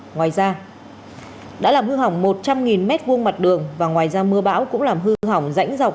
ngoài ra đã làm hư hỏng một trăm linh m hai mặt đường và ngoài ra mưa bão cũng làm hư hỏng rãnh dọc